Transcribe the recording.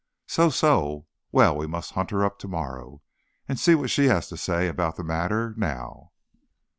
"So, so. Well, we must hunt her up to morrow, and see what she has to say about the matter now."